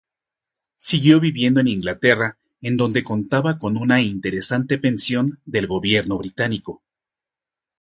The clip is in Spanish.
Siguió viviendo en Inglaterra, en donde contaba con una interesante pensión del gobierno británico.